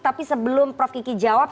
tapi sebelum prof kiki jawab